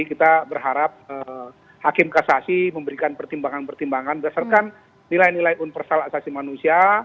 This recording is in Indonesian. kita berharap hakim kasasi memberikan pertimbangan pertimbangan berdasarkan nilai nilai universal asasi manusia